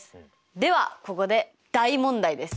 ではここで大問題です。